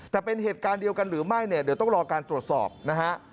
แต่เป็นเหตุการณ์เดียวกันหรือไม่เนี่ยเดี๋ยวต้องรอการตรวจสอบนะฮะ